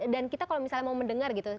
dan kita kalau misalnya mau mendengar gitu